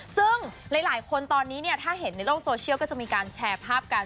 ซึ่งหลายคนตอนนี้เนี่ยถ้าเห็นในโลกโซเชียลก็จะมีการแชร์ภาพกัน